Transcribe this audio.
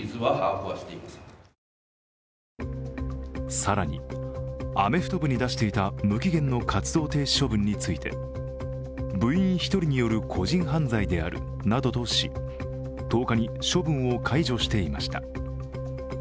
更にアメフト部に出していた無期限の活動停止処分について部員１人による個人犯罪であるなどとし、１０日に処分を解除していました。